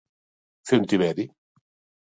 Fer un tiberi.